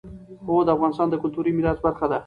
هوا د افغانستان د کلتوري میراث برخه ده.